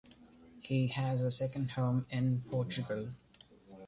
He has a second home in Portugal.